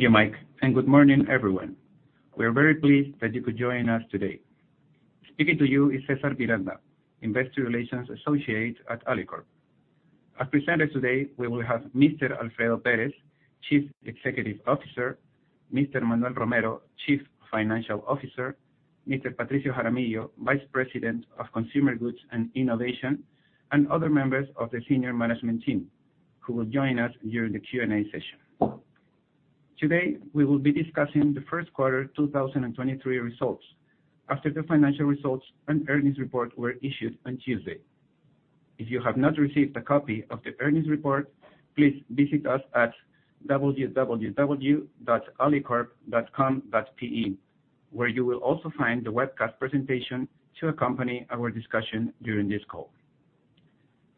Thank you, Mike. Good morning, everyone. We are very pleased that you could join us today. Speaking to you is César Miranda, Investor Relations Associate at Alicorp. Our presenters today, we will have Mr. Alfredo Pérez, Chief Executive Officer, Mr. Manuel Romero, Chief Financial Officer, Mr. Patricio Jaramillo, Vice President of Consumer Goods and Innovation, and other members of the senior management team who will join us during the Q&A session. Today, we will be discussing the first quarter 2023 results after the financial results and earnings report were issued on Tuesday. If you have not received a copy of the earnings report, please visit us at www.alicorp.com.pe, where you will also find the webcast presentation to accompany our discussion during this call.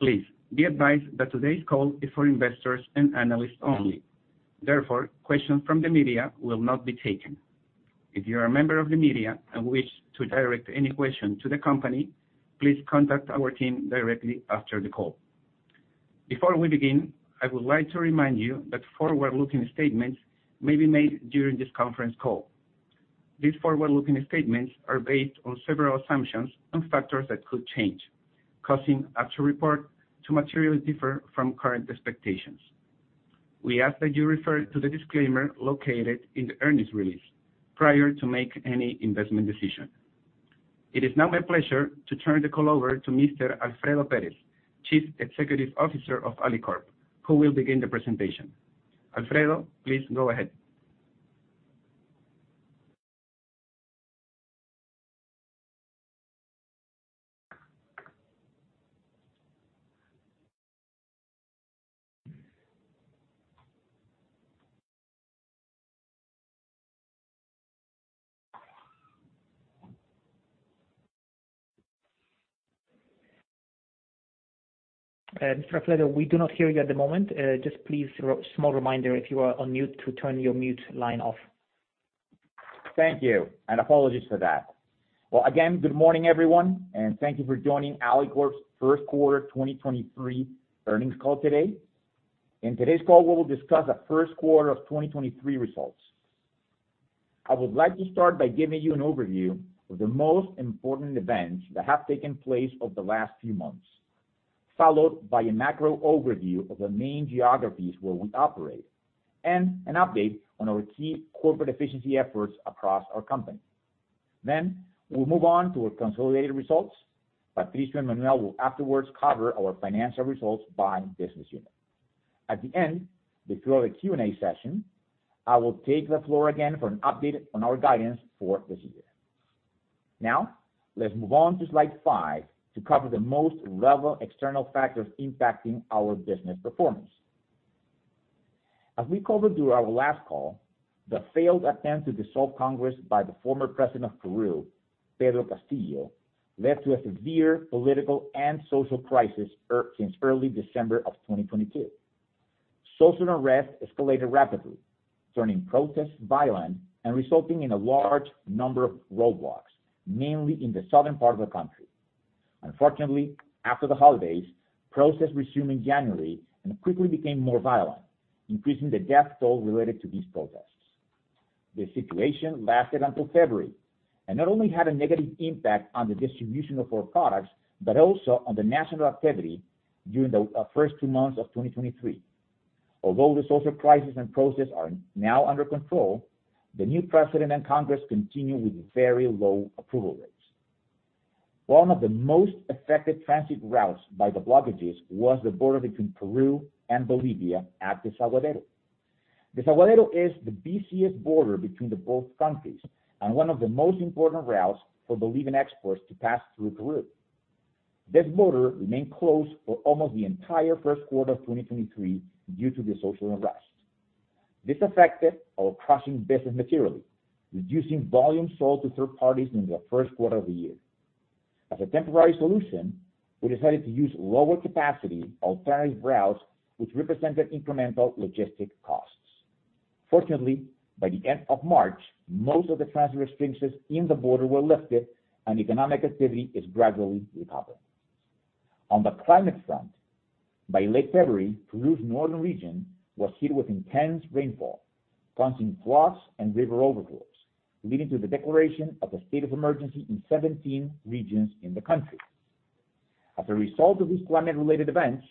Please be advised that today's call is for investors and analysts only. Therefore, questions from the media will not be taken. If you are a member of the media and wish to direct any question to the company, please contact our team directly after the call. Before we begin, I would like to remind you that forward-looking statements may be made during this conference call. These forward-looking statements are based on several assumptions and factors that could change, causing us to report to materially differ from current expectations. We ask that you refer to the disclaimer located in the earnings release prior to make any investment decision. It is now my pleasure to turn the call over to Mr. Alfredo Pérez, Chief Executive Officer of Alicorp, who will begin the presentation. Alfredo, please go ahead. Alfredo, we do not hear you at the moment. Just please a small reminder, if you are on mute, to turn your mute line off. Thank you. Apologies for that. Well, again, good morning, everyone, and thank you for joining Alicorp's 1st quarter 2023 earnings call today. In today's call, we will discuss the first quarter of 2023 results. I would like to start by giving you an overview of the most important events that have taken place over the last few months, followed by a macro overview of the main geographies where we operate, and an update on our key corporate efficiency efforts across our company. We will move on to our consolidated results. Patricio and Manuel will afterwards cover our financial results by business unit. At the end, before the Q&A session, I will take the floor again for an update on our guidance for this year. Let's move on to slide five to cover the most relevant external factors impacting our business performance. As we covered during our last call, the failed attempt to dissolve Congress by the former president of Peru, Pedro Castillo, led to a severe political and social crisis since early December of 2022. Social unrest escalated rapidly, turning protests violent and resulting in a large number of roadblocks, mainly in the southern part of the country. Unfortunately, after the holidays, protests resumed in January and quickly became more violent, increasing the death toll related to these protests. The situation lasted until February, not only had a negative impact on the distribution of our products, but also on the national activity during the first two months of 2023. Although the social crisis and protests are now under control, the new president and Congress continue with very low approval rates. One of the most affected transit routes by the blockages was the border between Peru and Bolivia at Desaguadero. Desaguadero is the busiest border between the both countries and one of the most important routes for Bolivian exports to pass through Peru. This border remained closed for almost the entire first quarter of 2023 due to the social unrest. This affected our crushing business materially, reducing volume sold to third parties in the first quarter of the year. As a temporary solution, we decided to use lower capacity alternative routes, which represented incremental logistic costs. Fortunately, by the end of March, most of the transit restrictions in the border were lifted and economic activity is gradually recovering. On the climate front, by late February, Peru's northern region was hit with intense rainfall, causing floods and river overflows, leading to the declaration of a state of emergency in 17 regions in the country. As a result of these climate-related events,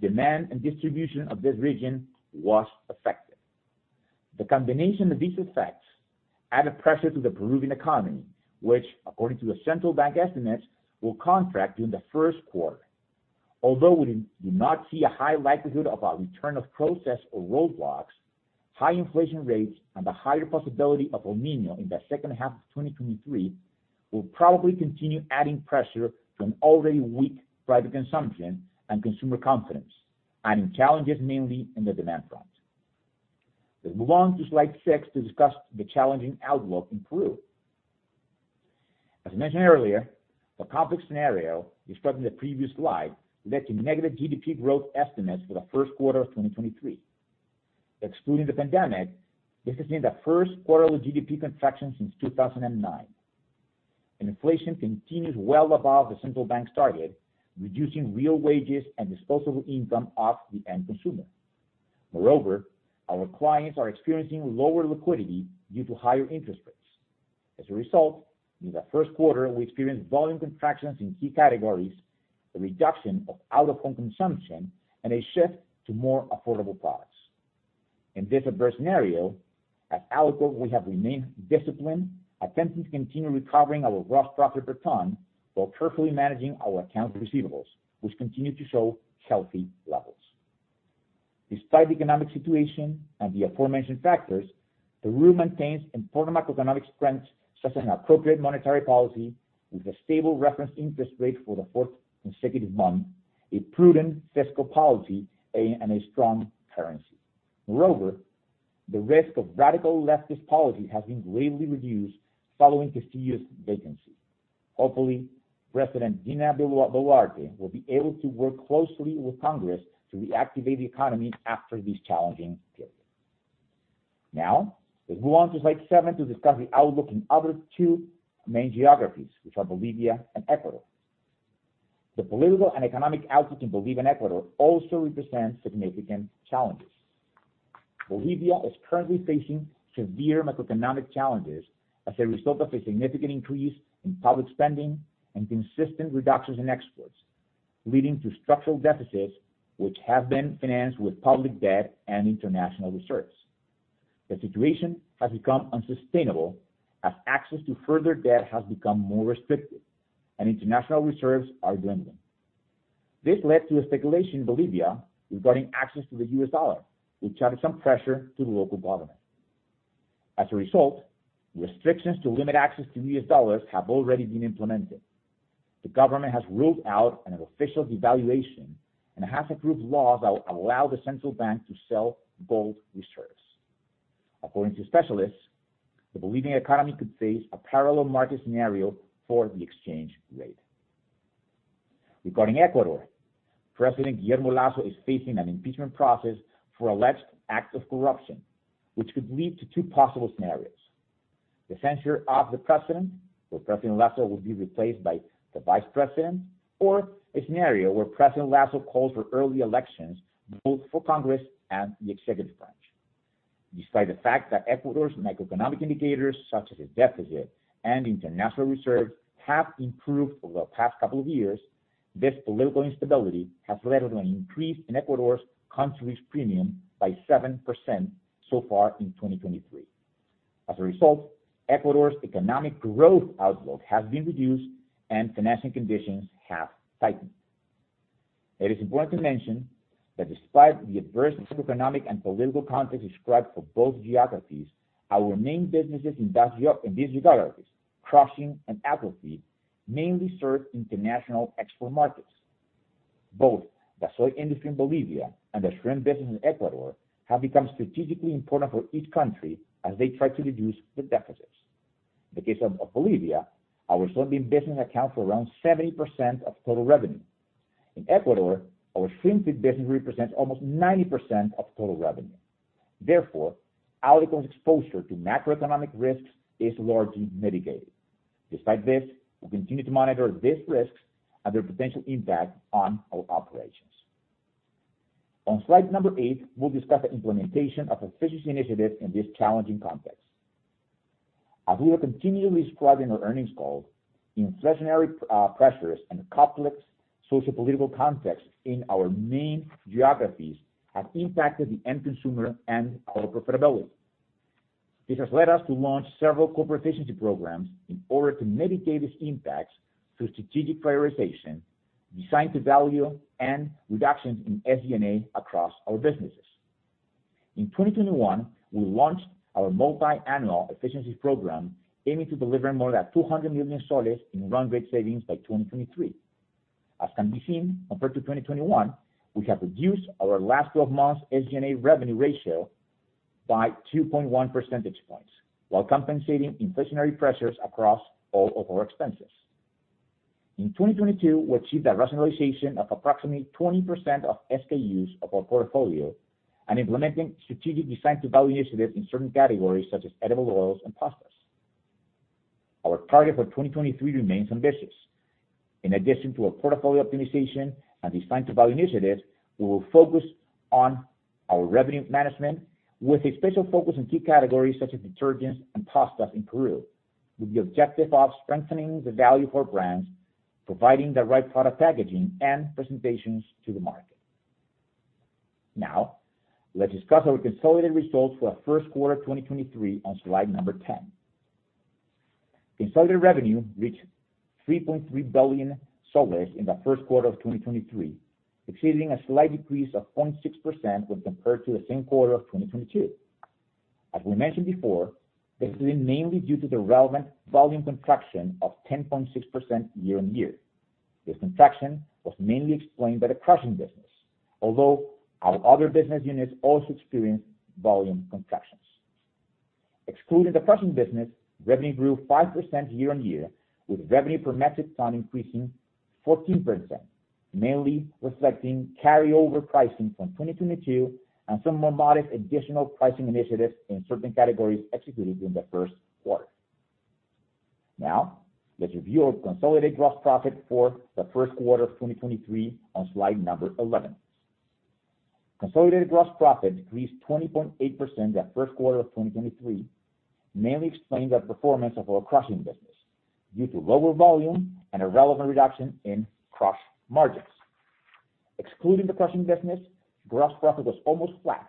demand and distribution of this region was affected. The combination of these effects added pressure to the Peruvian economy, which according to the central bank estimates, will contract during the first quarter. Although we do not see a high likelihood of a return of protests or roadblocks, high inflation rates and the higher possibility of El Niño in the 2nd half of 2023 will probably continue adding pressure to an already weak private consumption and consumer confidence, adding challenges mainly in the demand front. Let's move on to slide six to discuss the challenging outlook in Peru. As mentioned earlier, the complex scenario described in the previous slide led to negative GDP growth estimates for the first quarter of 2023. Excluding the pandemic, this has been the 1st quarterly GDP contraction since 2009. Inflation continues well above the central bank's target, reducing real wages and disposable income of the end consumer. Moreover, our clients are experiencing lower liquidity due to higher interest rates. As a result, in the 1st quarter, we experienced volume contractions in key categories, a reduction of out-of-home consumption, and a shift to more affordable products. In this adverse scenario, at Alicorp, we have remained disciplined, attempting to continue recovering our rough profit per ton, while carefully managing our account receivables, which continue to show healthy levels. Despite the economic situation and the aforementioned factors, Peru maintains important macroeconomic strengths, such as an appropriate monetary policy with a stable reference interest rate for the fourth consecutive month, a prudent fiscal policy, and a strong currency. Moreover, the risk of radical leftist policy has been greatly reduced following Castillo's vacancia. Hopefully, President Dina Boluarte will be able to work closely with Congress to reactivate the economy after this challenging period. Now, let's move on to slide seven to discuss the outlook in other two main geographies, which are Bolivia and Ecuador. The political and economic outlook in Bolivia and Ecuador also represent significant challenges. Bolivia is currently facing severe macroeconomic challenges as a result of a significant increase in public spending and consistent reductions in exports, leading to structural deficits, which have been financed with public debt and international reserves. The situation has become unsustainable as access to further debt has become more restricted and international reserves are dwindling. This led to a speculation in Bolivia regarding access to the U.S. dollar, which added some pressure to the local government. As a result, restrictions to limit access to U.S. dollars have already been implemented. The government has ruled out an official devaluation and has approved laws that will allow the central bank to sell gold reserves. According to specialists, the Bolivian economy could face a parallel market scenario for the exchange rate. Regarding Ecuador, President Guillermo Lasso is facing an impeachment process for alleged acts of corruption, which could lead to two possible scenarios: the censure of the president, where President Lasso will be replaced by the vice president, or a scenario where President Lasso calls for early elections, both for Congress and the executive branch. Despite the fact that Ecuador's macroeconomic indicators, such as its deficit and international reserves, have improved over the past couple of years, this political instability has led to an increase in Ecuador's country's premium by 7% so far in 2023. As a result, Ecuador's economic growth outlook has been reduced and financing conditions have tightened. It is important to mention that despite the adverse macroeconomic and political context described for both geographies, our main businesses in these geographies, crushing and Aquafeed, mainly serve international export markets. Both the soy industry in Bolivia and the shrimp business in Ecuador have become strategically important for each country as they try to reduce the deficits. In the case of Bolivia, our soybean business accounts for around 70% of total revenue. In Ecuador, our shrimp feed business represents almost 90% of total revenue. Therefore, Alicorp's exposure to macroeconomic risks is largely mitigated. Despite this, we continue to monitor these risks and their potential impact on our operations. On slide number eight, we'll discuss the implementation of efficiency initiatives in this challenging context. As we are continually describing our earnings call, inflationary pressures and complex sociopolitical contexts in our main geographies have impacted the end consumer and our profitability. This has led us to launch several corporate efficiency programs in order to mitigate these impacts through strategic prioritization, design-to-value, and reductions in SG&A across our businesses. In 2021, we launched our multi-annual efficiency program, aiming to deliver more than PEN 200 million in run rate savings by 2023. As can be seen, compared to 2021, we have reduced our last twelve months SG&A revenue ratio by 2.1 percentage points while compensating inflationary pressures across all of our expenses. In 2022, we achieved a rationalization of approximately 20% of SKUs of our portfolio and implementing strategic design to value initiatives in certain categories such as edible oils and pastas. Our target for 2023 remains ambitious. In addition to our portfolio optimization and design to value initiatives, we will focus on our revenue management with a special focus on key categories such as detergents and pastas in Peru, with the objective of strengthening the value of our brands, providing the right product packaging, and presentations to the market. Now, let's discuss our consolidated results for the first quarter 2023 on slide number 10. Consolidated revenue reached PEN 3.3 billion in the first quarter of 2023, exceeding a slight decrease of 0.6% when compared to the same quarter of 2022. As we mentioned before, this is mainly due to the relevant volume contraction of 10.6% year-on-year. This contraction was mainly explained by the crushing business, although our other business units also experienced volume contractions. Excluding the crushing business, revenue grew 5% year-on-year, with revenue per metric ton increasing by 14%, mainly reflecting carryover pricing from 2022, and some more modest additional pricing initiatives in certain categories executed in the first quarter. Let's review our consolidated gross profit for the first quarter of 2023 on slide number 11. Consolidated gross profit increased 20.8% the first quarter of 2023, mainly explained the performance of our crushing business due to lower volume and a relevant reduction in crush margins. Excluding the crushing business, gross profit was almost flat,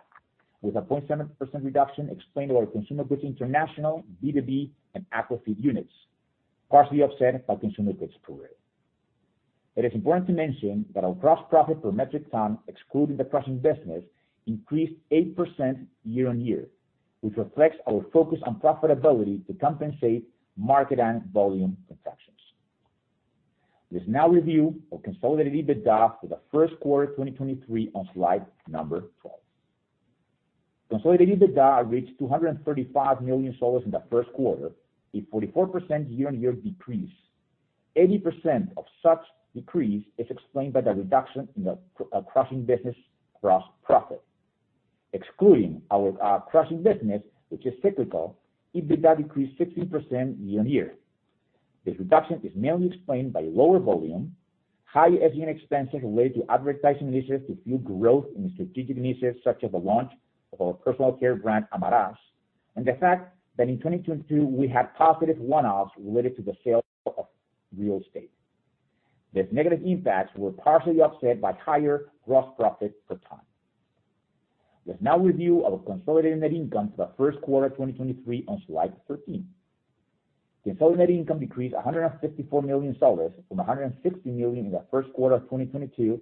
with a 0.7% reduction explained our Consumer Goods International, B2B, and Aquafeed units, partially offset by Consumer Goods Peru. It is important to mention that our gross profit per metric ton, excluding the crushing business, increased 8% year-on-year, which reflects our focus on profitability to compensate market and volume contractions. Let's now review our consolidated EBITDA for the first quarter of 2023 on slide number 12. Consolidated EBITDA reached PEN 235 million in the first quarter, a 44% year-on-year decrease. 80% of such decrease is explained by the reduction in the crushing business gross profit. Excluding our crushing business, which is cyclical, EBITDA decreased 16% year-on-year. This reduction is mainly explained by lower volume, high SG&A expenses related to advertising leases to fuel growth in strategic initiatives such as the launch of our personal care brand, Amarás, and the fact that in 2022, we had positive one-offs related to the sale of real estate. These negative impacts were partially offset by higher gross profit per ton. Let's now review our consolidated net income for the first quarter of 2023 on slide 13. Consolidated net income decreased PEN 154 million from PEN 160 million in the first quarter of 2022 to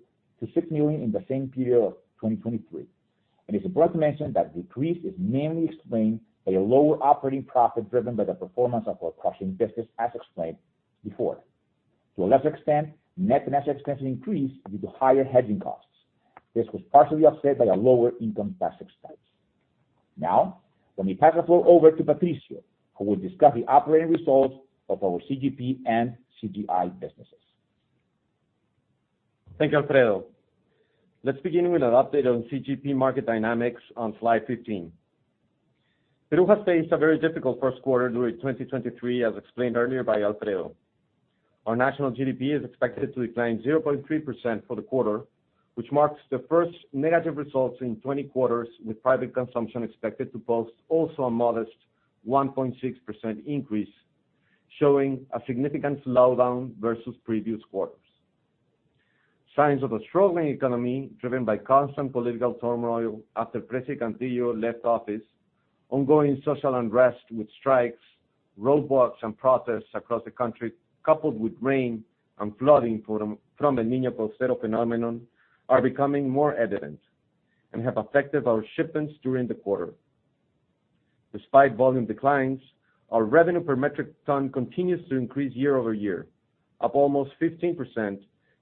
PEN 6 million in the same period of 2023. It's important to mention that decrease is mainly explained by a lower operating profit driven by the performance of our crushing business, as explained before. To a lesser extent, net financial expenses increased due to higher hedging costs. This was partially offset by a lower income tax expense. Now, let me pass the floor over to Patricio, who will discuss the operating results of our CGP and CGI businesses. Thank you, Alfredo. Let's begin with an update on CGP market dynamics on slide 15. Peru has faced a very difficult first quarter during 2023, as explained earlier by Alfredo. Our national GDP is expected to decline 0.3% for the quarter, which marks the first negative results in 20 quarters, with private consumption expected to post also a modest 1.6% increase, showing a significant slowdown versus previous quarters. Signs of a struggling economy driven by constant political turmoil after President Castillo left office, ongoing social unrest with strikes, roadblocks, and protests across the country, coupled with rain and flooding from El Niño global weather phenomenon, are becoming more evident and have affected our shipments during the quarter. Despite volume declines, our revenue per metric ton continues to increase year-over-year, up almost 15%,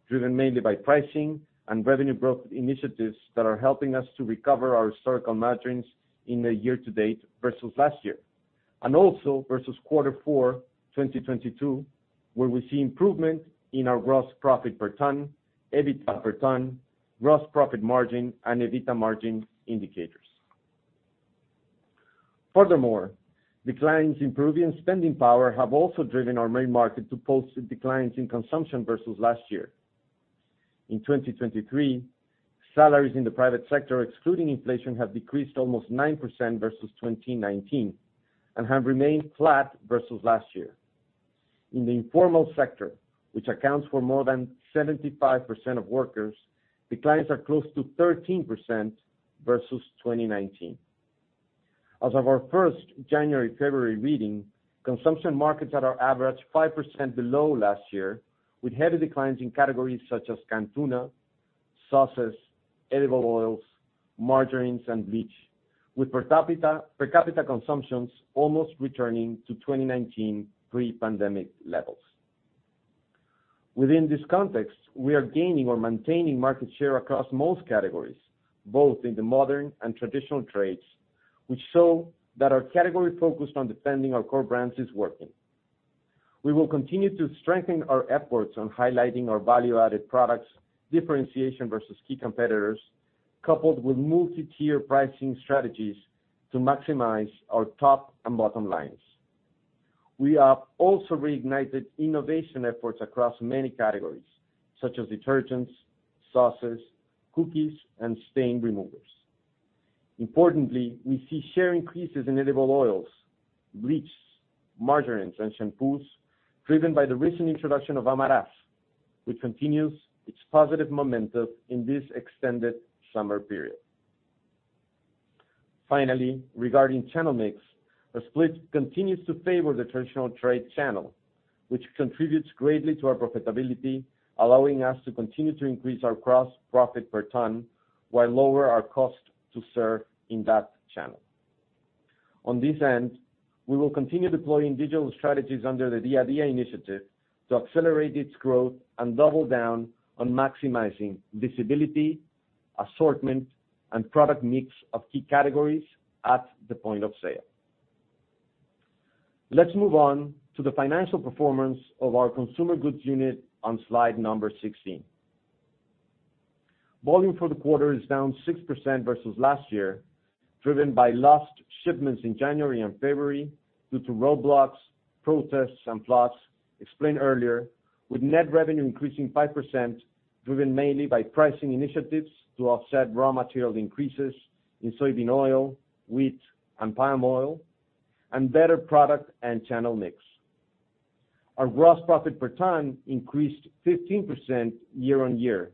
driven mainly by pricing and revenue growth initiatives that are helping us to recover our historical margins in the year-to-date versus last year, and also versus quarter four, 2022, where we see improvement in our gross profit per ton, EBITDA per ton, gross profit margin, and EBITDA margin indicators. Declines in Peruvian spending power have also driven our main market to post declines in consumption versus last year. In 2023, salaries in the private sector, excluding inflation, have decreased almost 9% versus 2019, and have remained flat versus last year. In the informal sector, which accounts for more than 75% of workers, declines are close to 13% versus 2019. As of our first January, February reading, consumption markets that are average 5% below last year, with heavy declines in categories such as canned tuna, sauces, edible oils, margarines, and bleach, with per capita consumptions almost returning to 2019 pre-pandemic levels. Within this context, we are gaining or maintaining market share across most categories, both in the modern trade and traditional trade, which show that our category focused on defending our core brands is working. We will continue to strengthen our efforts on highlighting our value-added products, differentiation versus key competitors, coupled with multi-tier pricing strategies to maximize our top and bottom lines. We have also reignited innovation efforts across many categories such as detergents, sauces, cookies, and stain removers. Importantly, we see share increases in edible oils, bleach, margarines, and shampoos, driven by the recent introduction of Amarás, which continues its positive momentum in this extended summer period. Finally, regarding channel mix, the split continues to favor the traditional trade channel, which contributes greatly to our profitability, allowing us to continue to increase our gross profit per ton, while lower our cost to serve in that channel. On this end, we will continue deploying digital strategies under the Día a Día initiative to accelerate its growth and double down on maximizing visibility, assortment, and product mix of key categories at the point of sale. Let's move on to the financial performance of our consumer goods unit on slide number 16. Volume for the quarter is down 6% year-over-year, driven by lost shipments in January and February due to roadblocks, protests, and floods explained earlier, with net revenue increasing 5% driven mainly by pricing initiatives to offset raw material increases in soybean oil, wheat, and palm oil, and better product and channel mix. Our gross profit per ton increased 15% year-over-year, with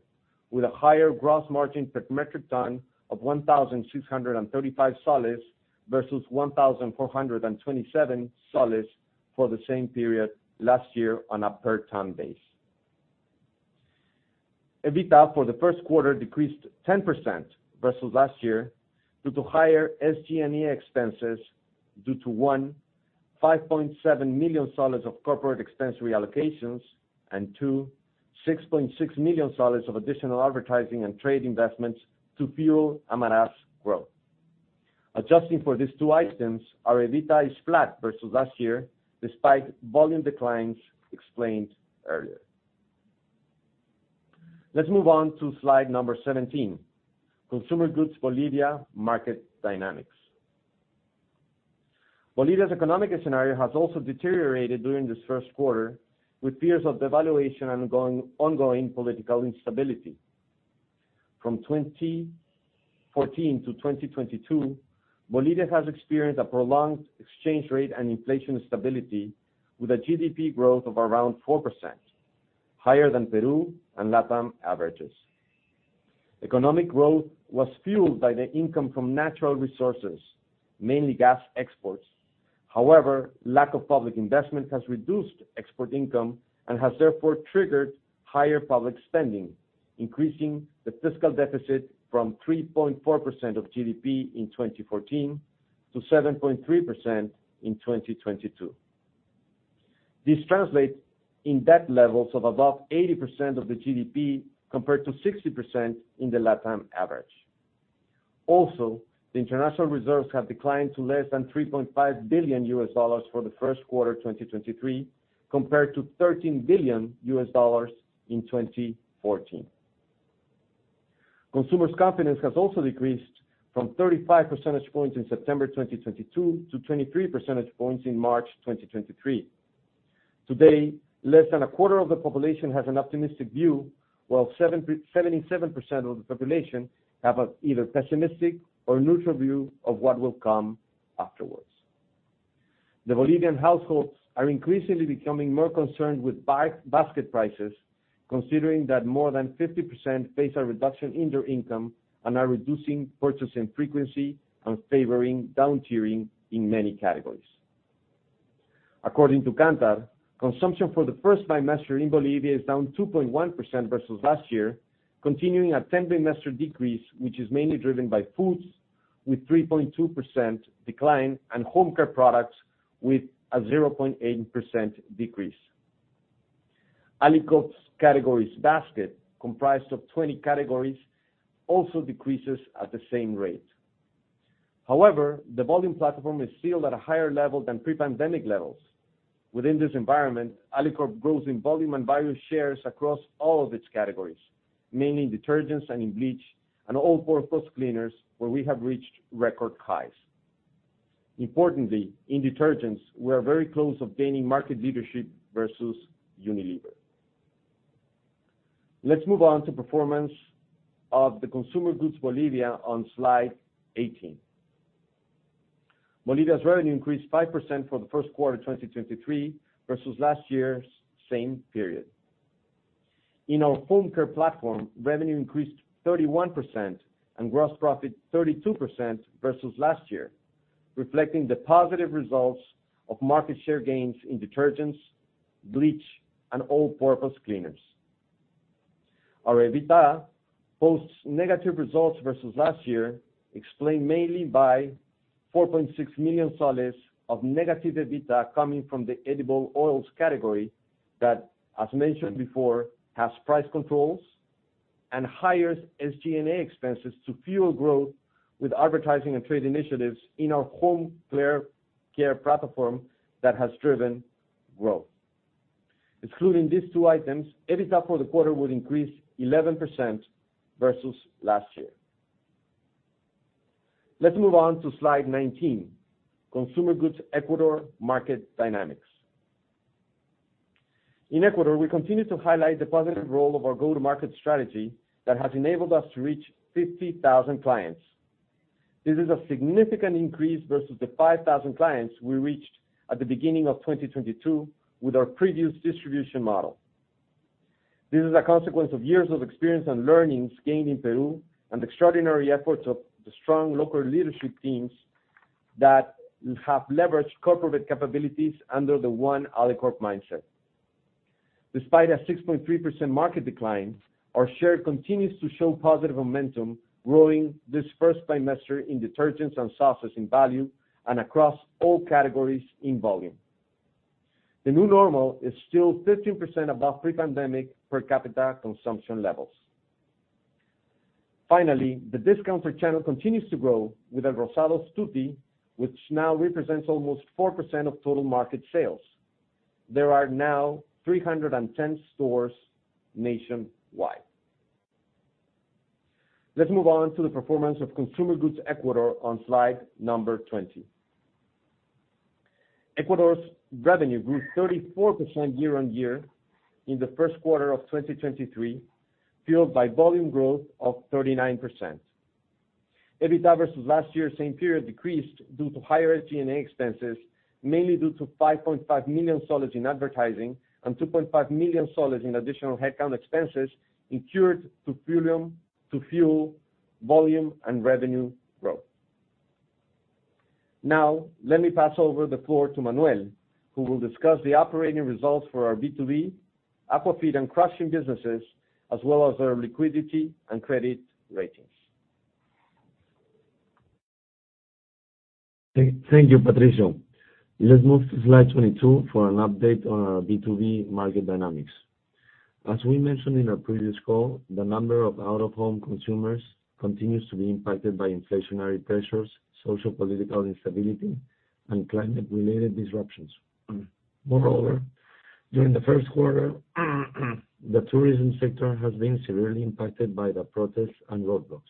a higher gross margin per metric ton of PEN 1,635 versus PEN 1,427 for the same period last year on a per ton basis. EBITDA for the first quarter decreased 10% year-over-year due to higher SG&A expenses due to, one PEN 5.7 million of corporate expense reallocations, and two, PEN 6.6 million of additional advertising and trade investments to fuel growth. Adjusting for these two items, our EBITDA is flat versus last year, despite volume declines explained earlier. Let's move on to slide number 17, Consumer Goods Bolivia Market Dynamics. Bolivia's economic scenario has also deteriorated during this first quarter, with fears of devaluation and ongoing political instability. From 2014 to 2022, Bolivia has experienced a prolonged exchange rate and inflation stability with a GDP growth of around 4%, higher than Peru and LatAm averages. Economic growth was fueled by the income from natural resources, mainly gas exports. However, lack of public investment has reduced export income and has therefore triggered higher public spending, increasing the fiscal deficit from 3.4% of GDP in 2014 to 7.3% in 2022. This translates in debt levels of above 80% of the GDP compared to 60% in the LatAm average. The international reserves have declined to less than $3.5 billion for the first quarter 2023, compared to $13 billion in 2014. Consumers' confidence has also decreased from 35 percentage points in September 2022 to 23 percentage points in March 2023. Today, less than a quarter of the population has an optimistic view, while 77% of the population have a either pessimistic or neutral view of what will come afterwards. The Bolivian households are increasingly becoming more concerned with basket prices, considering that more than 50% face a reduction in their income and are reducing purchasing frequency and favoring down-tiering in many categories. According to Kantar, consumption for the first trimester in Bolivia is down 2.1% versus last year, continuing a 10-trimester decrease, which is mainly driven by foods with 3.2% decline and home care products with a 0.8% decrease. Alicorp's categories basket, comprised of 20 categories, also decreases at the same rate. The volume platform is still at a higher level than pre-pandemic levels. Within this environment, Alicorp grows in volume and value shares across all of its categories, mainly in detergents and in bleach and all-purpose cleaners, where we have reached record highs. Importantly, in detergents, we are very close obtaining market leadership versus Unilever. Let's move on to performance of the Consumer Goods Bolivia on slide 18. Bolivia's revenue increased 5% for the first quarter, 2023, versus last year's same period. In our home care platform, revenue increased 31% and gross profit 32% versus last year, reflecting the positive results of market share gains in detergents, bleach, and all-purpose cleaners. Our EBITDA posts negative results versus last year, explained mainly by PEN 4.6 million of negative EBITDA coming from the edible oils category that, as mentioned before, has price controls and higher SG&A expenses to fuel growth with advertising and trade initiatives in our home care platform that has driven growth. Excluding these two items, EBITDA for the quarter would increase 11% versus last year. Let's move on to slide 19, Consumer Goods Ecuador Market Dynamics. In Ecuador, we continue to highlight the positive role of our go-to-market strategy that has enabled us to reach 50,000 clients. This is a significant increase versus the 5,000 clients we reached at the beginning of 2022 with our previous distribution model. This is a consequence of years of experience and learnings gained in Peru and extraordinary efforts of the strong local leadership teams that have leveraged corporate capabilities under the One Alicorp mindset. Despite a 6.3% market decline, our share continues to show positive momentum, growing this first trimester in detergents and sauces in value and across all categories in volume. The new normal is still 15% above pre-pandemic per capita consumption levels. Finally, the discount for channel continues to grow with El Rosado TuTi, which now represents almost 4% of total market sales. There are now 310 stores nationwide. Let's move on to the performance of consumer goods Ecuador on slide number 20. Ecuador's revenue grew 34% year-on-year in the first quarter of 2023, fueled by volume growth of 39%. EBITDA versus last year same period decreased due to higher SG&A expenses, mainly due to PEN 5.5 million in advertising and PEN 2.5 million in additional headcount expenses incurred to fuel volume and revenue growth. Now, let me pass over the floor to Manuel, who will discuss the operating results for our B2B, Aquafeed and crushing businesses, as well as our liquidity and credit ratings. Thank you, Patricio. Let's move to slide 22 for an update on our B2B market dynamics. As we mentioned in our previous call, the number of out-of-home consumers continues to be impacted by inflationary pressures, social political instability, and climate-related disruptions. Moreover, during the first quarter, the tourism sector has been severely impacted by the protests and roadblocks.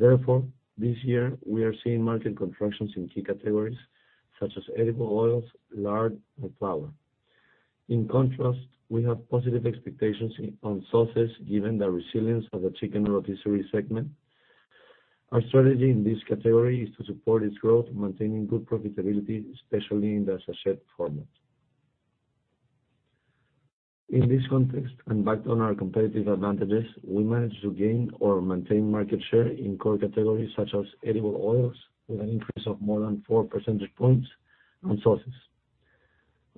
Therefore, this year, we are seeing market contractions in key categories such as edible oils, lard, and flour. In contrast, we have positive expectations on sauces given the resilience of the chicken rotisserie segment. Our strategy in this category is to support its growth, maintaining good profitability, especially in the sachet format. In this context and backed on our competitive advantages, we managed to gain or maintain market share in core categories such as edible oils with an increase of more than 4 percentage points on sauces.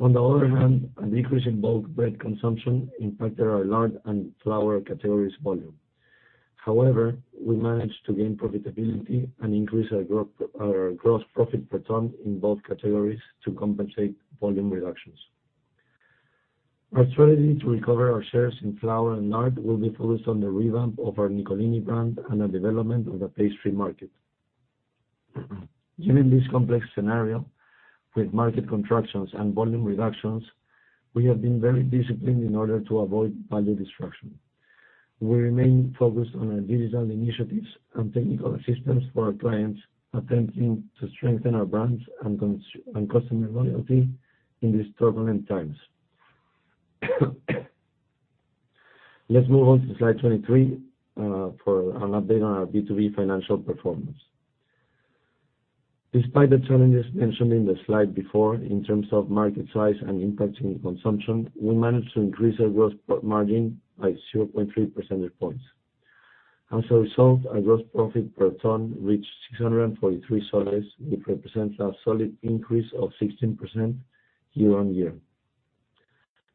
On the other hand, a decrease in bulk bread consumption impacted our lard and flour categories volume. However, we managed to gain profitability and increase our gross profit per ton in both categories to compensate volume reductions. Our strategy to recover our shares in flour and lard will be focused on the revamp of our Nicolini brand and the development of the pastry market. Given this complex scenario with market contractions and volume reductions, we have been very disciplined in order to avoid value destruction. We remain focused on our digital initiatives and technical assistance for our clients, attempting to strengthen our brands and customer loyalty in these turbulent times. Let's move on to slide 23 for an update on our B2B financial performance. Despite the challenges mentioned in the slide before in terms of market size and impacts in consumption, we managed to increase our gross margin by 0.3 percentage points. As a result, our gross profit per ton reached PEN 643, which represents a solid increase of 16% year-on-year.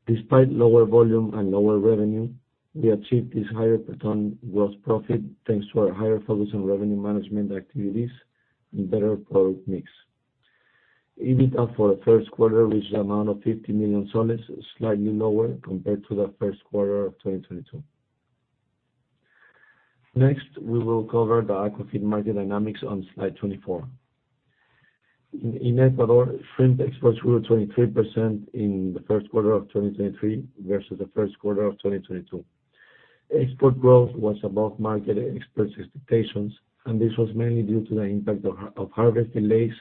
Despite lower volume and lower revenue, we achieved this higher per ton gross profit, thanks to our higher focus on revenue management activities and better product mix. EBITDA for the first quarter reached the amount of PEN 50 million, slightly lower compared to the first quarter of 2022. Next, we will cover the Aquafeed market dynamics on slide 24. In Ecuador, shrimp exports grew 23% in the first quarter of 2023 versus the first quarter of 2022. Export growth was above market experts' expectations, and this was mainly due to the impact of harvest delays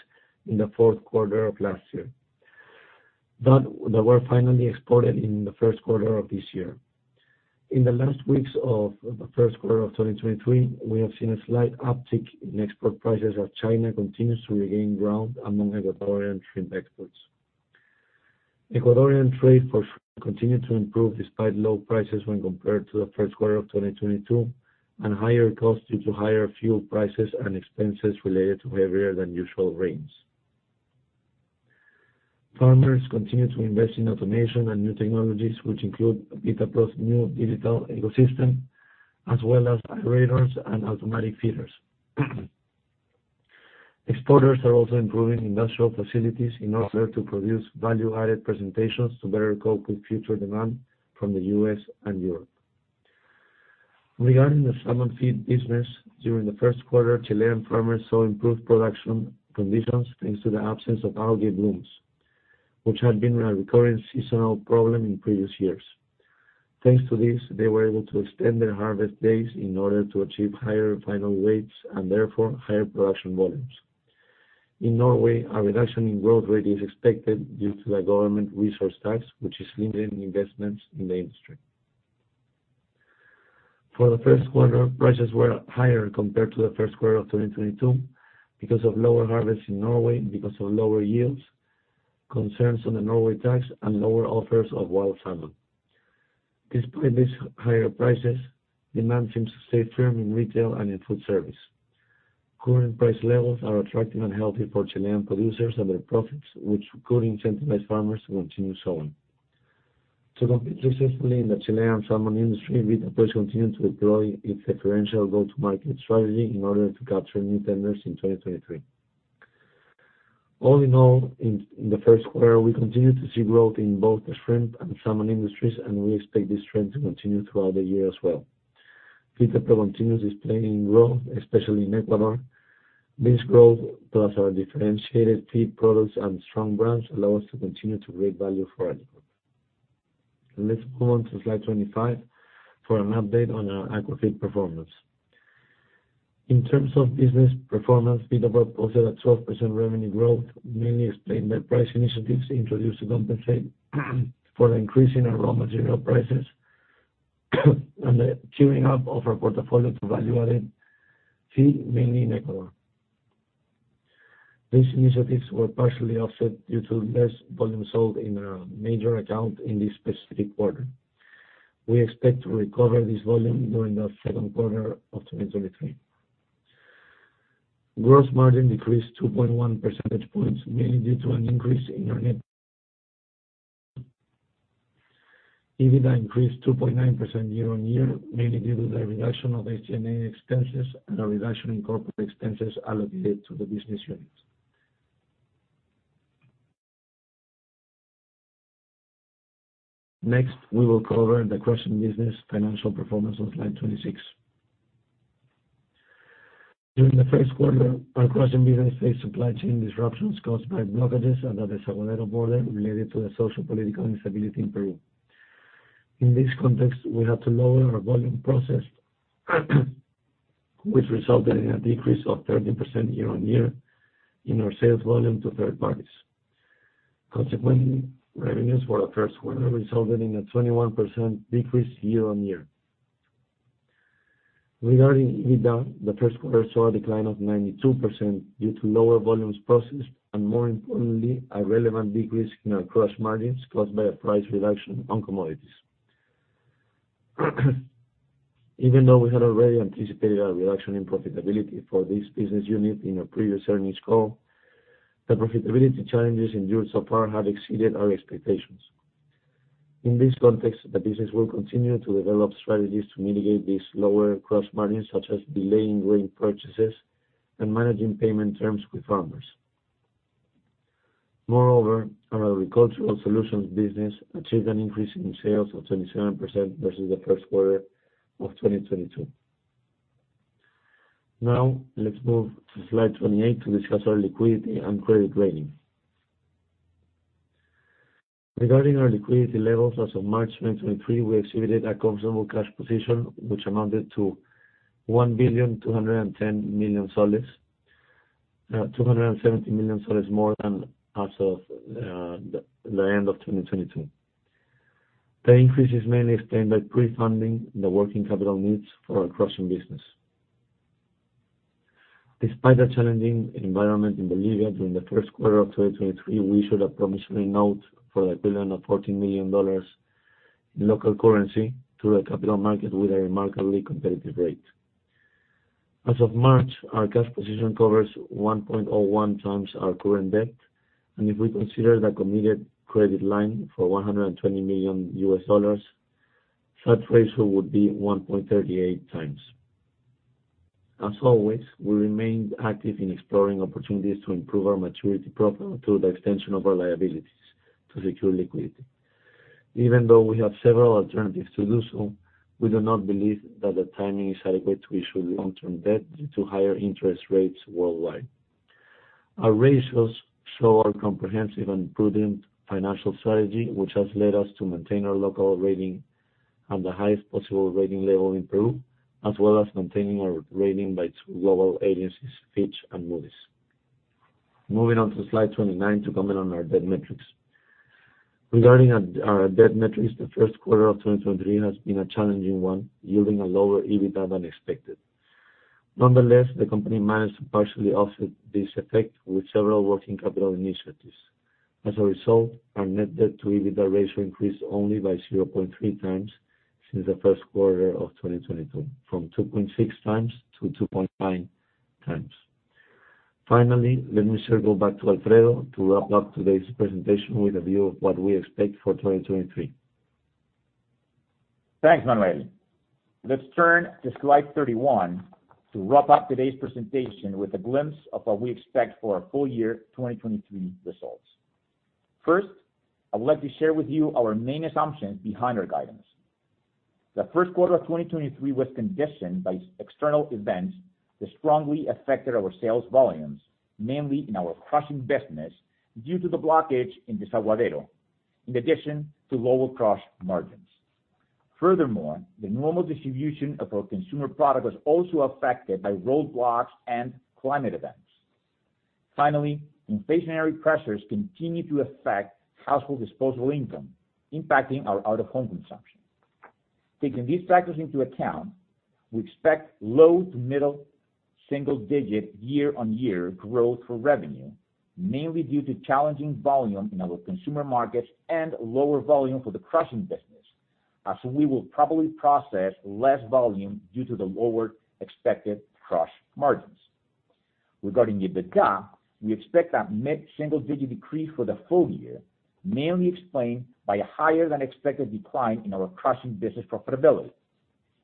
in the fourth quarter of last year that were finally exported in the first quarter of this year. In the last weeks of the first quarter of 2023, we have seen a slight uptick in export prices as China continues to regain ground among Ecuadorian shrimp exports. Ecuadorian trade for continued to improve despite low prices when compared to the first quarter of 2022, and higher costs due to higher fuel prices and expenses related to heavier than usual rains. Farmers continue to invest in automation and new technologies, which include Vitapro's new digital ecosystem, as well as aerators and automatic feeders. Exporters are also improving industrial facilities in order to produce value-added presentations to better cope with future demand from the U.S. and Europe. Regarding the salmon feed business, during the first quarter, Chilean farmers saw improved production conditions thanks to the absence of algal blooms, which had been a recurring seasonal problem in previous years. Thanks to this, they were able to extend their harvest days in order to achieve higher final weights, and therefore, higher production volumes. In Norway, a reduction in growth rate is expected due to the government resource tax, which is limiting investments in the industry. For the first quarter, prices were higher compared to the first quarter of 2022 because of lower harvest in Norway, because of lower yields, concerns on the Norway tax, and lower offers of wild salmon. Despite these higher prices, demand seems to stay firm in retail and in food service. Current price levels are attractive and healthy for Chilean producers and their profits, which could incentivize farmers to continue sowing. To compete successfully in the Chilean salmon industry, Vitapro continues to deploy its differential go-to-market strategy in order to capture new tenders in 2023. All in all, in the first quarter, we continue to see growth in both the shrimp and salmon industries, and we expect this trend to continue throughout the year as well. Feed Pro continues displaying growth, especially in Ecuador. This growth, plus our differentiated feed products and strong brands, allow us to continue to create value for Alicorp. Let's move on to slide 25 for an update on our aquaculture performance. In terms of business performance, Feed Pro posted a 12% revenue growth, mainly explained by price initiatives introduced to compensate for the increase in our raw material prices, and the queuing up of our portfolio to value-added feed, mainly in Ecuador. These initiatives were partially offset due to less volume sold in our major account in this specific quarter. We expect to recover this volume during the second quarter of 2023. Gross margin decreased 2.1 percentage points, mainly due to an increase in our net. EBITDA increased 2.9% year-over-year, mainly due to the reduction of SG&A expenses and a reduction in corporate expenses allocated to the business units. We will cover the crushing business financial performance on slide 26. During the first quarter, our crushing business faced supply chain disruptions caused by blockages at the Desaguadero border related to the sociopolitical instability in Peru. In this context, we had to lower our volume processed, which resulted in a decrease of 13% year-over-year in our sales volume to third parties. Revenues for our first quarter resulted in a 21% decrease year-over-year. Regarding EBITDA, the Q1 saw a decline of 92% due to lower volumes processed, and more importantly, a relevant decrease in our crush margins caused by a price reduction on commodities. Even though we had already anticipated a reduction in profitability for this business unit in our previous earnings call, the profitability challenges endured so far have exceeded our expectations. In this context, the business will continue to develop strategies to mitigate these lower crush margins, such as delaying grain purchases and managing payment terms with farmers. Moreover, our agricultural solutions business achieved an increase in sales of 27% versus the Q1 of 2022. Now, let's move to slide 28 to discuss our liquidity and credit rating. Regarding our liquidity levels as of March 2023, we exhibited a comfortable cash position, which amounted to PEN 1,210 million, PEN 270 million more than as of the end of 2022. The increase is mainly explained by pre-funding the working capital needs for our crushing business. Despite the challenging environment in Bolivia during the first quarter of 2023, we issued a promissory note for the equivalent of $14 million in local currency to the capital market with a remarkably competitive rate. As of March, our cash position covers 1.01x our current debt, and if we consider the committed credit line for $120 million, such ratio would be 1.38x. As always, we remain active in exploring opportunities to improve our maturity profile through the extension of our liabilities to secure liquidity. Even though we have several alternatives to do so, we do not believe that the timing is adequate to issue long-term debt due to higher interest rates worldwide. Our ratios show our comprehensive and prudent financial strategy, which has led us to maintain our local rating at the highest possible rating level in Peru, as well as maintaining our rating by two global agencies, Fitch and Moody's. Moving on to slide 29 to comment on our debt metrics. Regarding our debt metrics, the first quarter of 2023 has been a challenging one, yielding a lower EBITDA than expected. Nonetheless, the company managed to partially offset this effect with several working capital initiatives. As a result, our net debt to EBITDA ratio increased only by 0.3x since the Q1 2022, from 2.6x-2.9x. Finally, let me circle back to Alfredo to wrap up today's presentation with a view of what we expect for 2023. Thanks, Manuel. Let's turn to slide 31 to wrap up today's presentation with a glimpse of what we expect for our full year 2023 results. First, I would like to share with you our main assumptions behind our guidance. The first quarter of 2023 was conditioned by external events that strongly affected our sales volumes, mainly in our crushing business, due to the blockage in Desaguadero, in addition to lower crush margins. Furthermore, the normal distribution of our consumer product was also affected by roadblocks and climate events. Finally, inflationary pressures continue to affect household disposable income, impacting our out-of-home consumption. Taking these factors into account, we expect low to middle single-digit year-on-year growth for revenue, mainly due to challenging volume in our consumer markets and lower volume for the crushing business, as we will probably process less volume due to the lower expected crush margins. Regarding EBITDA, we expect a mid-single digit decrease for the full year, mainly explained by a higher than expected decline in our crushing business profitability.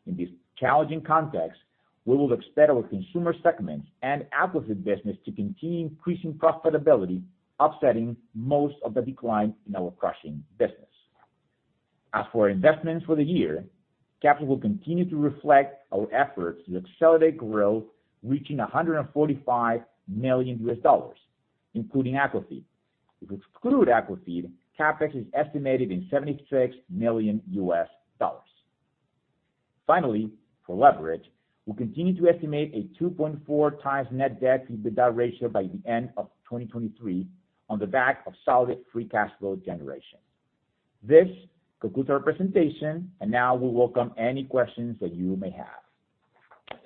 In this challenging context, we will expect our consumer segment and Aquafeed business to continue increasing profitability, offsetting most of the decline in our crushing business. As for investments for the year, capital will continue to reflect our efforts to accelerate growth, reaching $145 million, including Aquafeed. If exclude Aquafeed, CapEx is estimated in $76 million. Finally, for leverage, we continue to estimate a 2.4x net debt EBITDA ratio by the end of 2023 on the back of solid free cash flow generation. This concludes our presentation, and now we welcome any questions that you may have.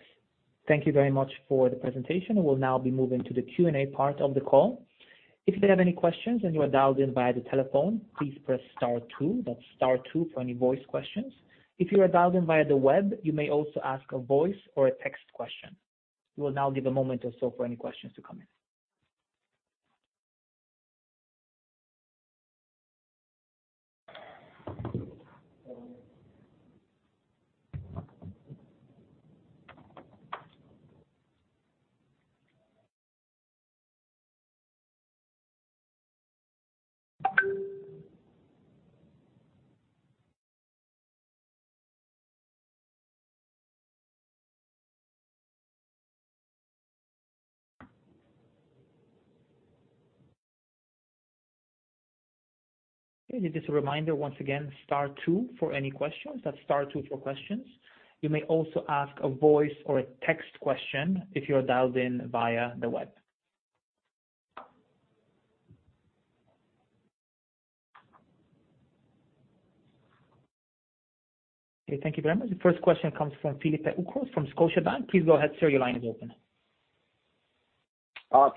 Thank you very much for the presentation. We'll now be moving to the Q&A part of the call. If you have any questions and you are dialed in via the telephone, please press star two, that's star two for any voice questions. If you are dialed in via the web, you may also ask a voice or a text question. We'll now give a moment or so for any questions to come in. Just a reminder, once again, star two for any questions. That's star two for questions. You may also ask a voice or a text question if you are dialed in via the web. Thank you very much. The first question comes from Felipe Ucrós from Scotiabank. Please go ahead sir, your line is open.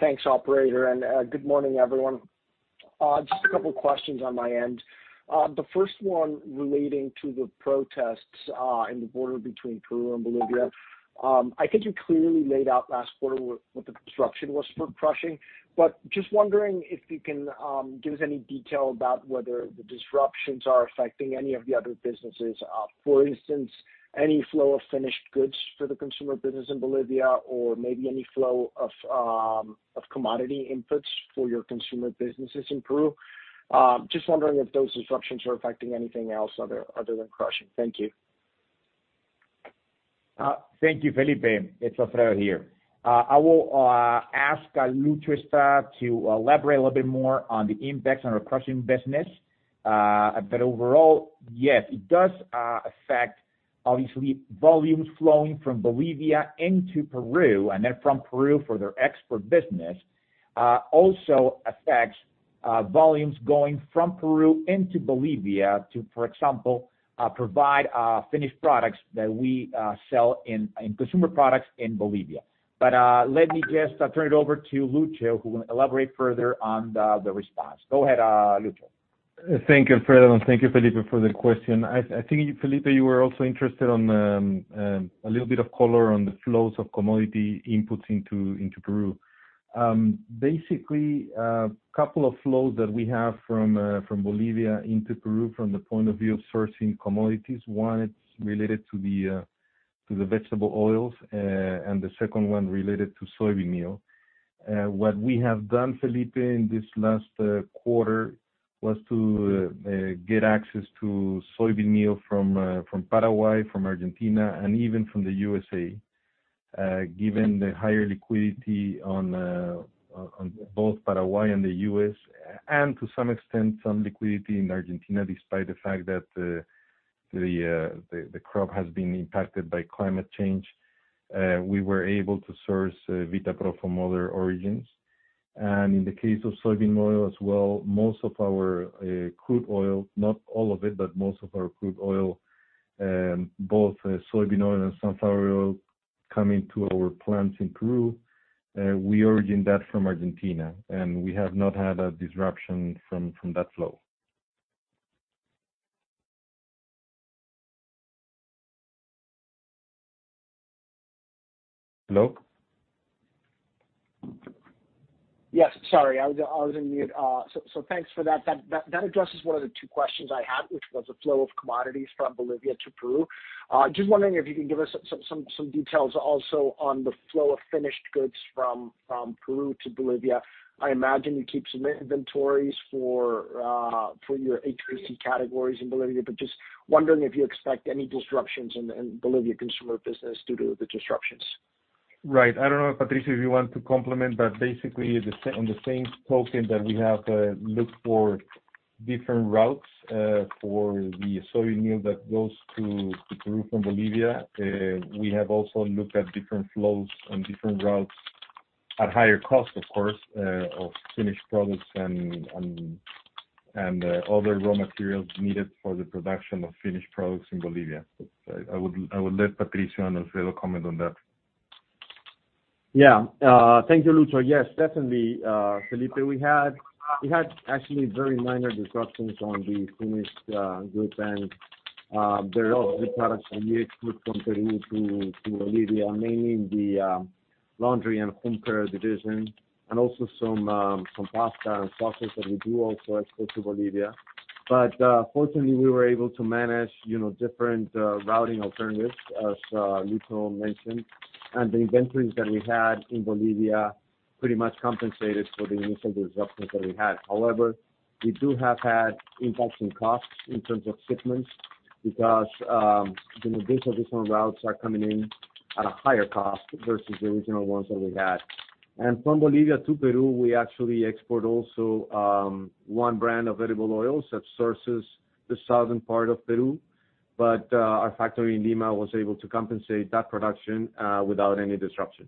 Thanks, operator, and good morning, everyone. Just a couple of questions on my end. The first one relating to the protests in the border between Peru and Bolivia. I think you clearly laid out last quarter what the disruption was for crushing. Just wondering if you can give us any detail about whether the disruptions are affecting any of the other businesses. For instance, any flow of finished goods for the consumer business in Bolivia or maybe any flow of commodity inputs for your consumer businesses in Peru. Just wondering if those disruptions are affecting anything else other than crushing. Thank you. Thank you, Felipe. It's Alfredo here. I will ask Lucio to elaborate a little bit more on the impacts on our crushing business. Overall, yes, it does affect obviously volumes flowing from Bolivia into Peru, and then from Peru for their export business. Also affects volumes going from Peru into Bolivia to, for example, provide finished products that we sell in consumer products in Bolivia. Let me just turn it over to Lucio, who will elaborate further on the response. Go ahead, Lucio. Thank you, Alfredo. Thank you, Felipe, for the question. I think, Felipe, you were also interested on a little bit of color on the flows of commodity inputs into Peru. Basically, a couple of flows that we have from Bolivia into Peru from the point of view of sourcing commodities. One, it's related to the vegetable oils, the second one related to soybean meal. What we have done, Felipe, in this last quarter was to get access to soybean meal from Paraguay, from Argentina, and even from the U.S.A. Given the higher liquidity on both Paraguay and the U.S., to some extent, some liquidity in Argentina, despite the fact that the crop has been impacted by climate change. We were able to source Vitapro from other origins. In the case of soybean oil as well, most of our crude oil, not all of it, but most of our crude oil, both soybean oil and sunflower oil, come into our plants in Peru. We origin that from Argentina, and we have not had a disruption from that flow. Hello? Yes. Sorry, I was on mute. Thanks for that. That addresses one of the two questions I had, which was the flow of commodities from Bolivia to Peru. Just wondering if you can give us some details also on the flow of finished goods from Peru to Bolivia. I imagine you keep some inventories for your HPC categories in Bolivia, but just wondering if you expect any disruptions in Bolivia consumer business due to the disruptions. Right. I don't know, Patricio, if you want to complement, but basically on the same token that we have looked for different routes for the soybean meal that goes to Peru from Bolivia. We have also looked at different flows and different routes at higher cost, of course, of finished products and, and other raw materials needed for the production of finished products in Bolivia. I would let Patricio and Alfredo comment on that. Yeah. Thank you, Lucio. Yes, definitely, Felipe, we had actually very minor disruptions on the finished goods and there are good products and goods from Peru to Bolivia, mainly in the laundry and home care division and also some pasta and sauces that we do also export to Bolivia. Fortunately, we were able to manage, you know, different routing alternatives, as Lucio mentioned. The inventories that we had in Bolivia. Pretty much compensated for the initial disruptions that we had. However, we do have had impacts in costs in terms of shipments because, you know, these additional routes are coming in at a higher cost versus the original ones that we had. From Bolivia to Peru, we actually export also, one brand of edible oils that sources the southern part of Peru. Our factory in Lima was able to compensate that production without any disruption.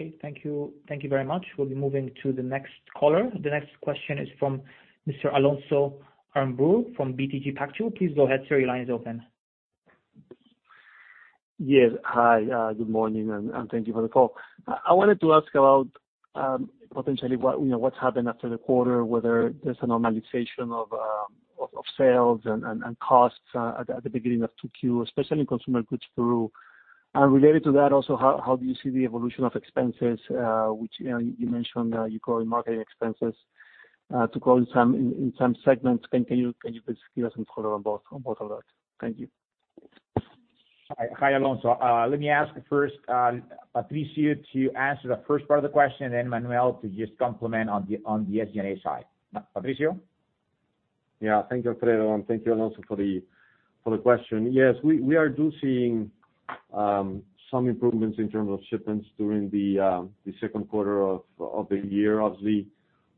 Okay. Thank you. Thank you very much. We'll be moving to the next caller. The next question is from Mr. Alonso Aramburú from BTG Pactual. Please go ahead, sir. Your line is open. Yes. Hi, good morning and thank you for the call. I wanted to ask about, potentially what, you know, what's happened after the quarter, whether there's a normalization of sales and costs at the beginning of 2Q, especially in Consumer Goods Peru. Related to that also, how do you see the evolution of expenses, which, you know, you mentioned, you call marketing expenses, to call in some segments. Can you please give us some color on both of that? Thank you. Hi. Hi, Alonso. Let me ask first, Patricio to answer the first part of the question, and then Manuel to just complement on the SG&A side. Patricio? Thank you, Alfredo, and thank you, Alonso, for the question. Yes, we are seeing some improvements in terms of shipments during the second quarter of the year. Obviously,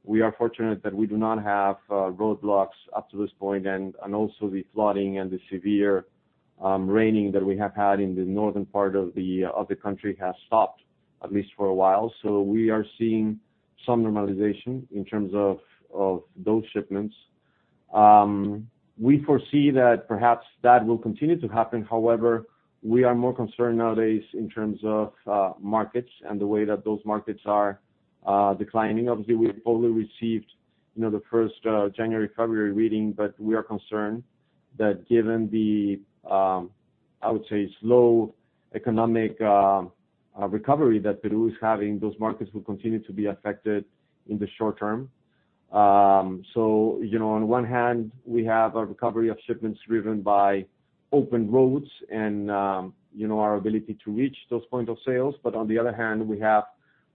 we are fortunate that we do not have roadblocks up to this point. Also the flooding and the severe raining that we have had in the northern part of the country has stopped, at least for a while. We are seeing some normalization in terms of those shipments. We foresee that perhaps that will continue to happen. We are more concerned nowadays in terms of markets and the way that those markets are declining. Obviously, we've only received, you know, the first January, February reading, but we are concerned that given the, I would say, slow economic recovery that Peru is having, those markets will continue to be affected in the short term. You know, on one hand we have a recovery of shipments driven by open roads and, you know, our ability to reach those point of sales. On the other hand, we have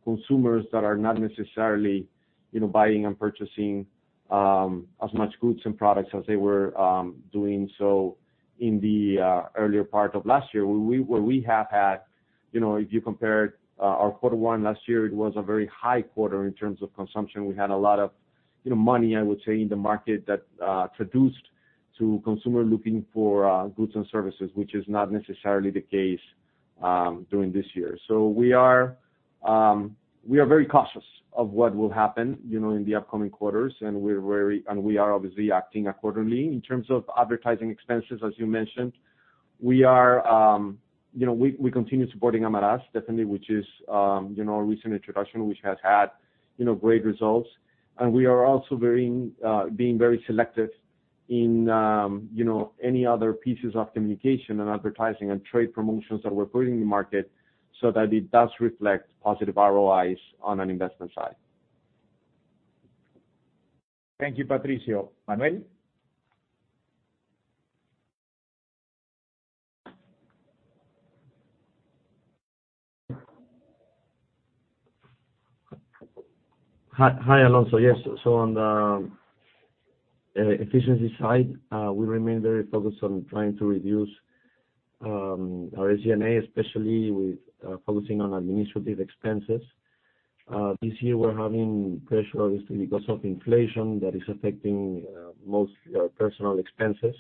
consumers that are not necessarily, you know, buying and purchasing as much goods and products as they were doing so in the earlier part of last year. What we have had, you know, if you compared our quarter one last year, it was a very high quarter in terms of consumption. We had a lot of, you know, money, I would say, in the market that traduced to consumer looking for goods and services, which is not necessarily the case during this year. We are, you know, we are very cautious of what will happen, you know, in the upcoming quarters, and we are obviously acting accordingly. In terms of advertising expenses, as you mentioned, we are, you know, we continue supporting Amarás, definitely, which is, you know, a recent introduction, which has had, you know, great results. We are also very, being very selective in, you know, any other pieces of communication and advertising and trade promotions that we're putting in the market so that it does reflect positive ROIs on an investment side. Thank you, Patricio. Manuel? Hi. Hi, Alonso. Yes. On the efficiency side, we remain very focused on trying to reduce our SG&A, especially with focusing on administrative expenses. This year we're having pressure obviously because of inflation that is affecting most personal expenses.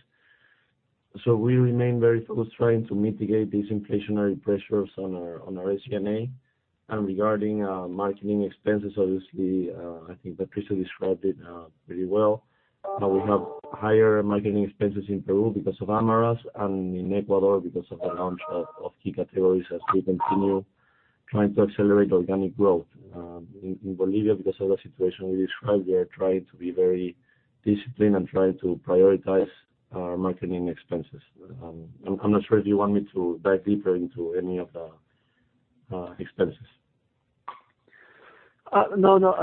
We remain very focused trying to mitigate these inflationary pressures on our SG&A. Regarding marketing expenses, obviously, I think Patricio described it pretty well. We have higher marketing expenses in Peru because of Amarás and in Ecuador because of the launch of key categories as we continue trying to accelerate organic growth. In Bolivia, because of the situation we described, we are trying to be very disciplined and trying to prioritize our marketing expenses. I'm not sure if you want me to dive deeper into any of the expenses? No, no.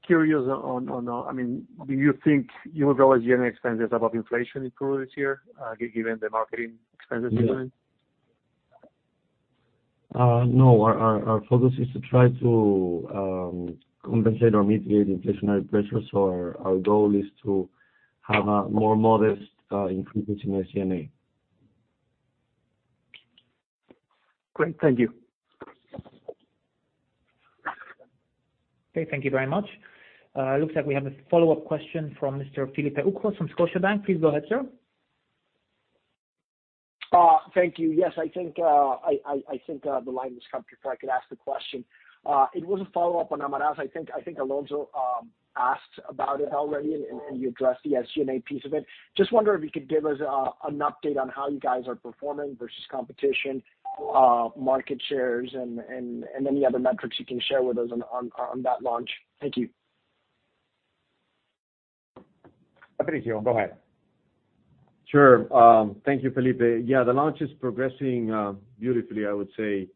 I mean, thank you for that. I was just curious on, I mean, do you think you will grow SG&A expenses above inflation in Peru this year, given the marketing expenses you're doing? no. Our focus is to try to compensate or mitigate inflationary pressures. Our goal is to have a more modest increase in SG&A. Great. Thank you. Okay. Thank you very much. It looks like we have a follow-up question from Mr. Felipe Ucros from Scotiabank. Please go ahead, sir. Thank you. Yes, I think the line was cut before I could ask the question. It was a follow-up on Amarás. I think Alonso asked about it already and you addressed the SG&A piece of it. Just wonder if you could give us an update on how you guys are performing versus competition, market shares and any other metrics you can share with us on that launch. Thank you. Patricio, go ahead. Sure. Thank you, Felipe. Yeah, the launch is progressing beautifully, I would say.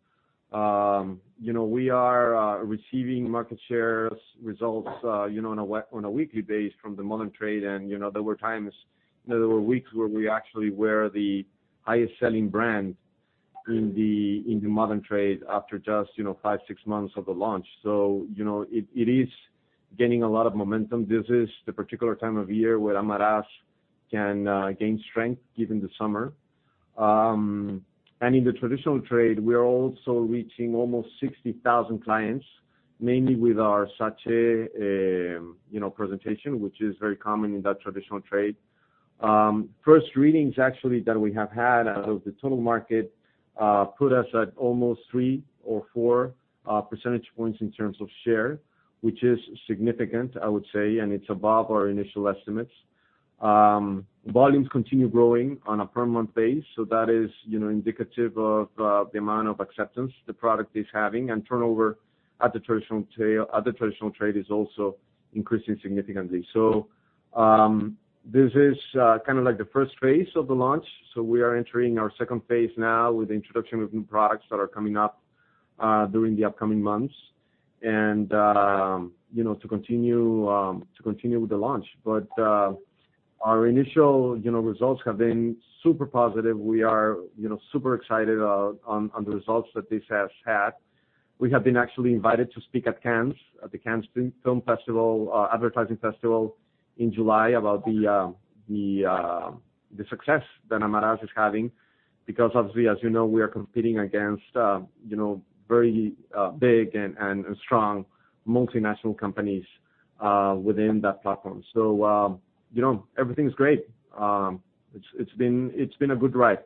You know, we are receiving market shares results, you know, on a weekly base from the modern trade and, you know, there were times, you know, there were weeks where we actually were the highest selling brand in the modern trade after just, you know, five, six months of the launch. It, you know, it is gaining a lot of momentum. This is the particular time of year where Amarás can gain strength given the summer. In the traditional trade, we are also reaching almost 60,000 clients, mainly with our sachet, you know, presentation, which is very common in that traditional trade. First readings actually that we have had out of the total market put us at almost 3 or 4 percentage points in terms of share, which is significant, I would say, and it's above our initial estimates. Volumes continue growing on a per month base, that is, you know, indicative of the amount of acceptance the product is having, and turnover at the traditional trade is also increasing significantly. This is kinda like the first phase of the launch, we are entering our second phase now with the introduction of new products that are coming up during the upcoming months. You know, to continue with the launch. Our initial, you know, results have been super positive. We are, you know, super excited on the results that this has had. We have been actually invited to speak at Cannes, at the Cannes Lions International Festival of Creativity in July about the success that Amarás is having, because obviously, as you know, we are competing against, you know, very big and strong multinational companies within that platform. You know, everything's great. It's been a good ride.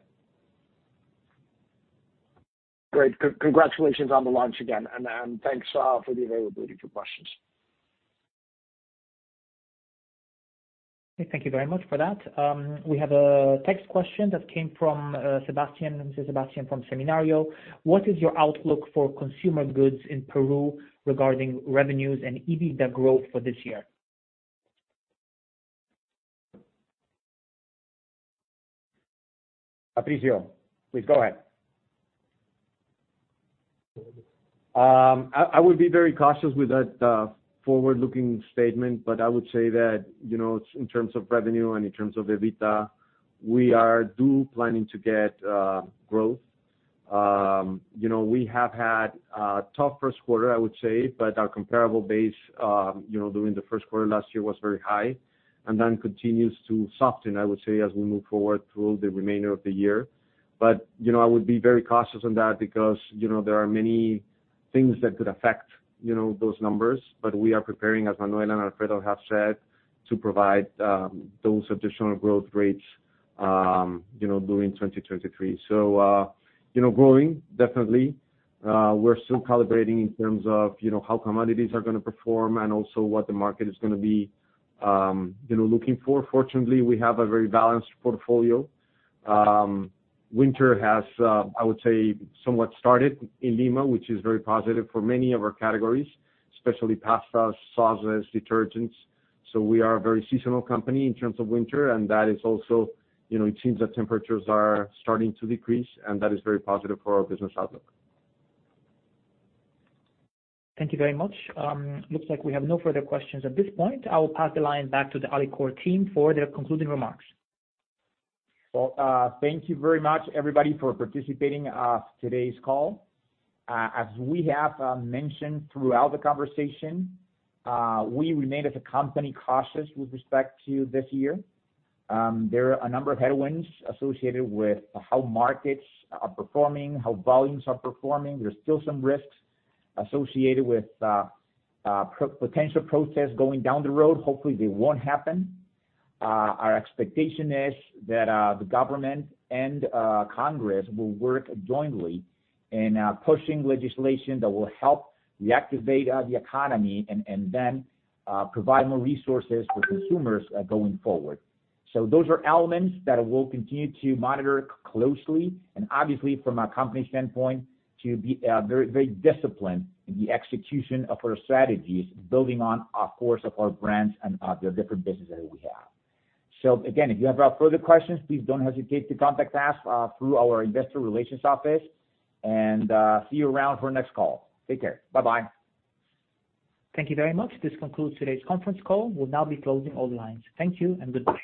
Great. Congratulations on the launch again, and thanks for the availability for questions. Okay. Thank you very much for that. We have a text question that came from Sebastian. This is Sebastian from Seminario. What is your outlook for consumer goods in Peru regarding revenues and EBITDA growth for this year? Patricio, please go ahead. I would be very cautious with that forward-looking statement. I would say that, you know, in terms of revenue and in terms of EBITDA, we are planning to get growth. You know, we have had a tough first quarter, I would say, but our comparable base, you know, during the first quarter last year was very high, and then continues to soften, I would say, as we move forward through the remainder of the year. You know, I would be very cautious on that because, you know, there are many things that could affect, you know, those numbers. We are preparing, as Manuel and Alfredo have said, to provide those additional growth rates, you know, during 2023. You know, growing, definitely. We're still calibrating in terms of, you know, how commodities are gonna perform and also what the market is gonna be, you know, looking for. Fortunately, we have a very balanced portfolio. Winter has, I would say, somewhat started in Lima, which is very positive for many of our categories, especially pastas, sauces, detergents. We are a very seasonal company in terms of winter, and that is also, you know, it seems that temperatures are starting to decrease, and that is very positive for our business outlook. Thank you very much. Looks like we have no further questions at this point. I will pass the line back to the Alicorp team for their concluding remarks. Thank you very much, everybody, for participating today's call. As we have mentioned throughout the conversation, we remain as a company cautious with respect to this year. There are a number of headwinds associated with how markets are performing, how volumes are performing. There's still some risks associated with potential protests going down the road. Hopefully, they won't happen. Our expectation is that the government and Congress will work jointly in pushing legislation that will help reactivate the economy and then provide more resources for consumers going forward. Those are elements that we'll continue to monitor closely, and obviously from a company standpoint, to be very, very disciplined in the execution of our strategies, building on a course of our brands and the different businesses we have. Again, if you have further questions, please don't hesitate to contact us, through our investor relations office. See you around for our next call. Take care. Bye-bye. Thank you very much. This concludes today's conference call. We'll now be closing all lines. Thank you and good day.